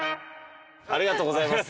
ありがとうございます。